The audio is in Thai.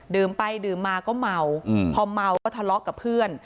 ไปดื่มมาก็เมาพอเมาก็ทะเลาะกับเพื่อน